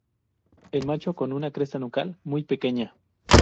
El macho con una cresta nucal muy pequeña.